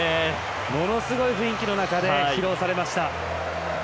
ものすごい雰囲気の中で披露されました。